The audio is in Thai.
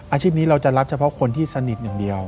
อาชีพนี้เราจะรับเฉพาะคนที่สนิทอย่างเดียว